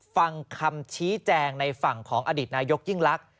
ฟังคำชี้แจงในฝั่งของอดีตนายกยิ่งลักษณ